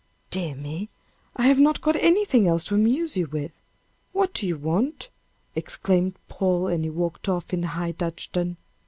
"Dear me! I have not got anything else to amuse you with. What do you want?" exclaimed Paul, and he walked off in high dudgeon.